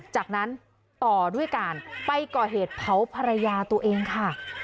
จากนั้นต่อด้วยการไปก่อเหตุเผาภรรยาตัวเองค่ะ